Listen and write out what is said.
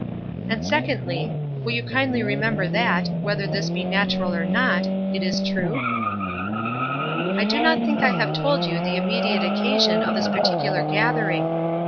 And secondly, will you kindly remember that, whether this be natural or not, it is true? I do not think I have told you the immediate occasion of this particular gathering.